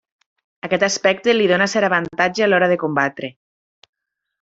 Aquest aspecte li dóna cert avantatge a l'hora de combatre.